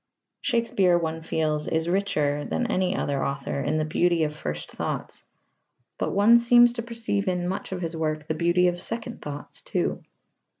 Shakespeare, one feels, is richer than any other author in the beauty of first thoughts. But one seems to perceive in much of his work the beauty of second thoughts too.